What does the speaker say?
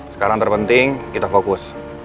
sekarang terpenting kita fokus